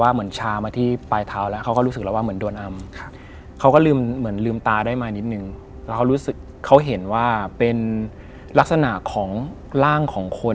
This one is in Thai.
เหมือนเขาจะช่วยในเรื่องของ